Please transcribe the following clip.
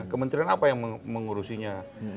kementerian apa yang mengurusinya